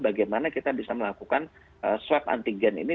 bagaimana kita bisa melakukan swab antigen ini